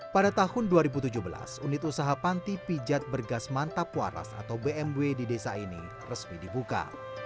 pada tahun dua ribu tujuh belas unit usaha panti pijat bergas mantap waras atau bmw di desa ini resmi dibuka